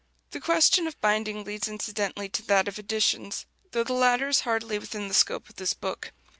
The question of binding leads incidentally to that of editions, though the latter is hardly within the scope of this book.